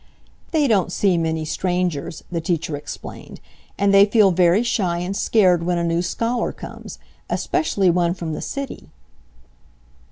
"They don't see many strangers," the teacher explained, "and they feel very shy and scared when a new scholar comes, especially one from the city."